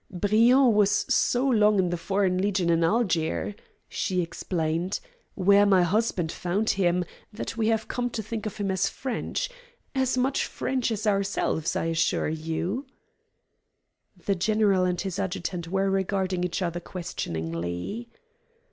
"Briand was so long in the Foreign Legion in Algiers," she explained, "where my husband found him, that we have come to think of him as French. As much French as ourselves, I assure you." The general and his adjutant were regarding each other questioningly.